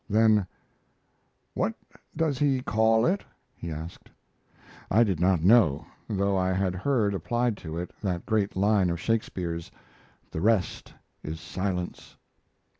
Then: "What does he call it?" he asked. I did not know, though I had heard applied to it that great line of Shakespeare's "the rest is silence."